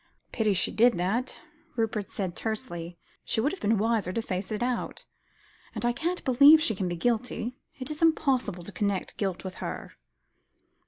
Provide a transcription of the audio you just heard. "Pity she did that," Rupert said tersely. "She would have been wiser to face it out; and I can't believe she can be guilty. It is impossible to connect guilt with her."